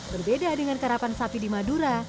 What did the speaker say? berbeda dengan karapan sapi di madura